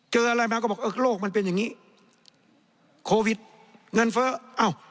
เจออะไรมาก็บอกเออโลกมันเป็นอย่างงี้โควิดเงินเฟ้อเอ้า